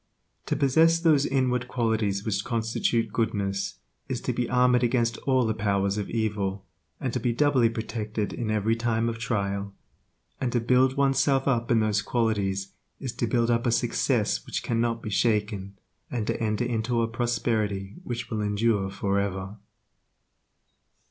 To possess those inward qualities which constitute goodness is to be armored against all the powers of evil, and to be doubly protected in every time of trial; and to build' oneself up in those qualities is to build up a success which cannot be shaken, and to enter into a prosperity which will endure forever.